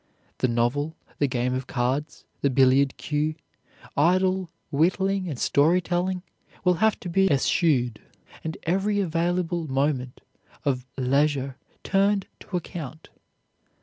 The novel, the game of cards, the billiard cue, idle whittling and story telling will have to be eschewed, and every available moment of leisure turned to account.